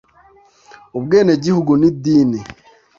ubwenegihugu n’idini